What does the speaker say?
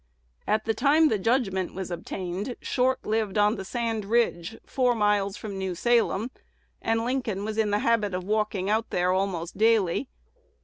At the time the judgment was obtained, Short lived on the Sand Ridge, four miles from New Salem; and Lincoln was in the habit of walking out there almost daily.